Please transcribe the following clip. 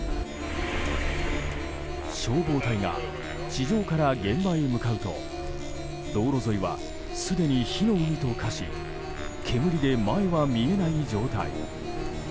消防隊が地上から現場へ向かうと道路沿いは、すでに火の海と化し煙で前は見えない状態。